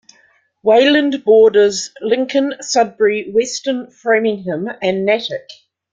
Wayland borders Lincoln, Sudbury, Weston, Framingham, and Natick.